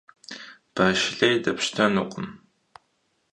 Баш лей дэпщтэнукъым.